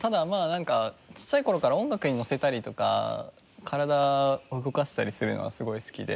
なんか小さい頃から音楽にのせたりとか体を動かしたりするのがすごい好きで。